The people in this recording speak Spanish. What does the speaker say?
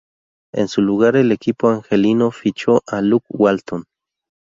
En su lugar el equipo angelino fichó a Luke Walton.